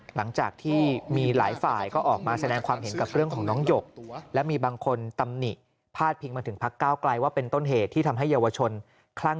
หลังจากที่มีหลายฝ่ายก็ออกมาแสดงความเห็นกับเรื่องของน้องหยก